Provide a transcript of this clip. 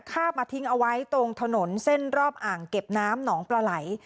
ฆ่ามาทิ้งเอาไว้ตรงถนนเส้นรอบอ่างเก็บน้ำหนองปลาไหล